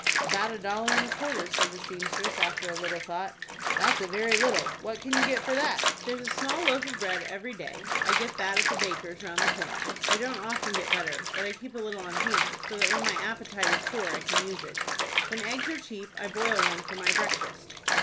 "About a dollar and a quarter," said the seamstress, after a little thought. "That's a very little. What can you get for that?" "There's a small loaf of bread every day. I get that at the baker's round the corner. I don't often get butter, but I keep a little on hand, so that when my appetite is poor I can use it. When eggs are cheap, I boil one for my breakfast."